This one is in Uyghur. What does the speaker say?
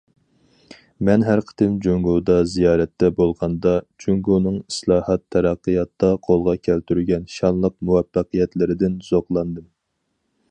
مەن ھەر قېتىم جۇڭگودا زىيارەتتە بولغاندا، جۇڭگونىڭ ئىسلاھات، تەرەققىياتتا قولغا كەلتۈرگەن شانلىق مۇۋەپپەقىيەتلىرىدىن زوقلاندىم.